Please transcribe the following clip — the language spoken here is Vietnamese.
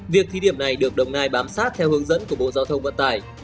việc thí điểm này được đồng nai bám sát theo hướng dẫn của bộ giao thông vận tải